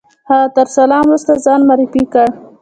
هغه تر سلام وروسته ځان معرفي کړ.